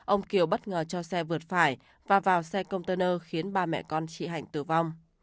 ông kiều bất ngờ cho xe vượt phải và vào xe container khiến ba mẹ con chị hạnh tử vong